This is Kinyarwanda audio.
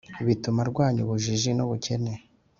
Bituma arwanya ubujiji n ubukene